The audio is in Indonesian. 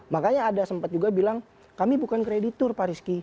makanya ada sempat juga bilang kami bukan kreditur pak rizky